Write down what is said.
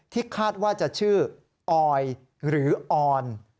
คาดว่าจะชื่อออยหรือออน